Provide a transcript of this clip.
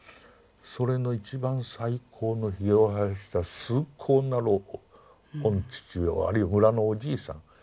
それの一番最高のひげを生やした崇高な老父御父であり村のおじいさん。